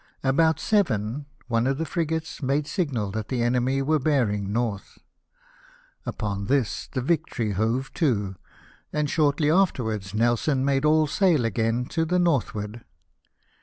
About seven, one of the frigates made signal that the enemy were bearing north. Upon this the Victory hove to : and shortly after wards Nelson made all sail again to the northward.